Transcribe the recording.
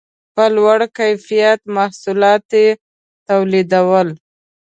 په لوړ کیفیت محصولات یې تولیدول